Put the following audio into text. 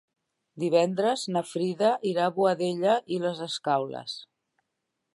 Divendres na Frida irà a Boadella i les Escaules.